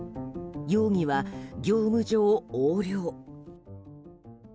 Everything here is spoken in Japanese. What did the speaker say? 容疑は業務上横領。